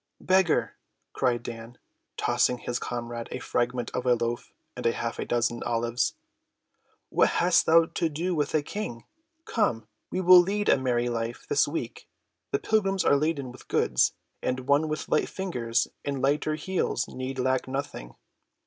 "Beggar!" cried Dan, tossing his comrade a fragment of a loaf and half a dozen olives, "what hast thou to do with a King? Come, we will lead a merry life this week; the pilgrims are laden with goods, and one with light fingers and lighter heels need lack nothing."